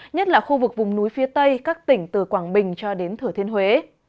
nhất là khu vực vùng núi phía tây các tỉnh từ quảng bình cho đến thừa thiên huế